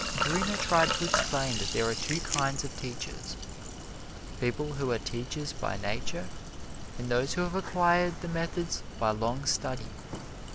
Gruner tried to explain that there are two kinds of teachers: people who are teachers by nature, and those who have acquired the methods by long study.